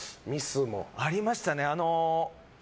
ありましたね。